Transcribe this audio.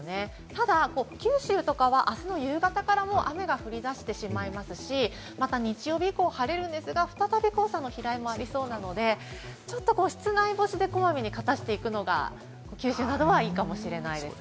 ただ九州とかは明日の夕方から雨が降り出してしまいますし、日曜日以降、晴れるんですが再び黄砂の飛来もありそうなので、室内干しでこまめに片してしていくのが九州などはいいかもしれません。